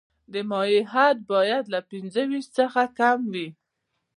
د مایع حد باید له پنځه ویشت څخه کم وي